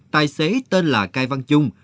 tài xế tên là cai văn trung